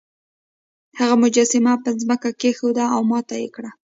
هغه مجسمه په ځمکه کیښوده او ماته یې کړه.